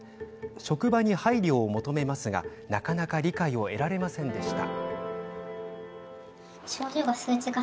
職場に配慮を求めますがなかなか理解を得られませんでした。